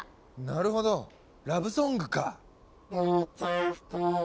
なるほどラブソングか！